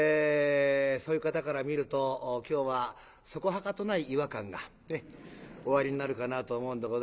そういう方から見ると今日はそこはかとない違和感がおありになるかなと思うんでございます。